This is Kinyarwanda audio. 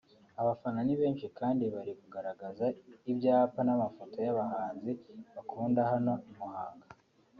Abafana ni benshi kandi bari kugaragaza ibyapa n’amafoto y’abahanzi bakunda hano i Muhanga